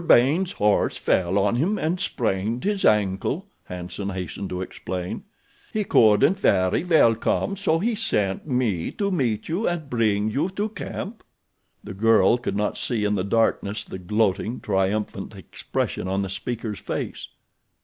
Baynes' horse fell on him and sprained his ankle," Hanson hastened to explain. "He couldn't very well come so he sent me to meet you and bring you to camp." The girl could not see in the darkness the gloating, triumphant expression on the speaker's face.